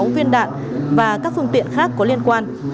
sáu viên đạn và các phương tiện khác có liên quan